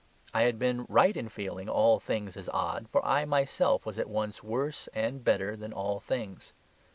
I had been right in feeling all things as odd, for I myself was at once worse and better than all things.